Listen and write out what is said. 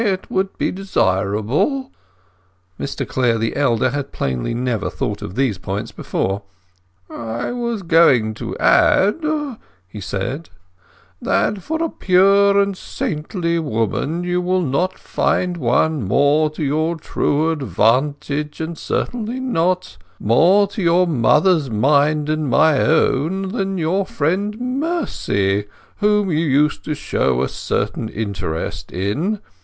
It would be desirable." Mr Clare, the elder, had plainly never thought of these points before. "I was going to add," he said, "that for a pure and saintly woman you will not find one more to your true advantage, and certainly not more to your mother's mind and my own, than your friend Mercy, whom you used to show a certain interest in.